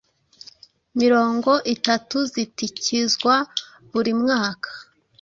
mirongo itatu zitikizwa buri mwaka